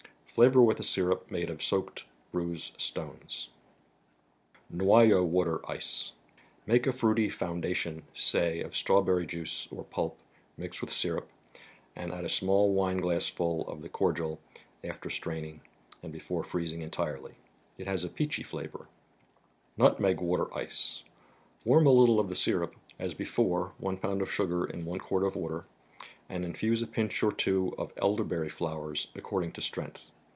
Flavor with a syrup made of the soaked bruised stones. 44 THE BOOK OF ICES. $0?eau matet %Ct, Make a fruity " founda c ' non, say of straw¬ berry juice or pulp, mixed with syrup ; and add a small wine glassful of the cordial after the straining, and before freezing entirely. It has a peachy flavor. Nutmeg mater Warm ? 'f* o£ the "' syrup (as before, one pound of sugar in one quart of water), and infuse a pinch or two of elderberry flowers, according to strength.